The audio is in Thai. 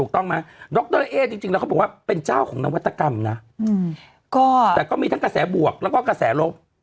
แต่ก็มีทั้งกระแสบวกแล้วก็กระแสลบ